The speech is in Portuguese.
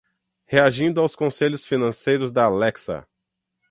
Reagindo aos conselhos financeiros da Alexa